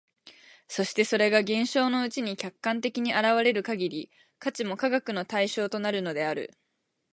そしてそれが現象のうちに客観的に現れる限り、価値も科学の対象となるのである。